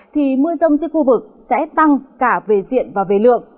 thì mưa rông trên khu vực sẽ tăng cả về diện và về lượng